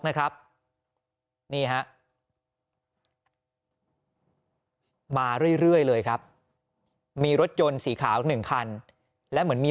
นะครับนี่ฮะมาเรื่อยเลยครับมีรถยนต์สีขาวหนึ่งคันและเหมือนมี